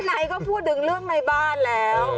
ไหนก็พูดถึงเรื่องในบ้านแล้ว